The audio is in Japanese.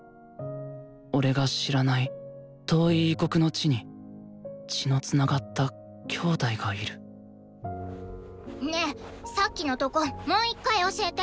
俺が知らない遠い異国の地に血のつながったきょうだいがいるねえさっきのとこもう一回教えて！